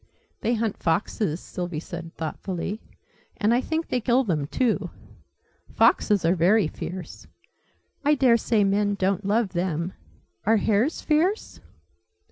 "They hunt foxes," Sylvie said, thoughtfully. "And I think they kill them, too. Foxes are very fierce. I daresay men don't love them. Are hares fierce?"